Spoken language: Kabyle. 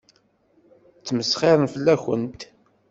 Ttmesxiṛen fell-akent.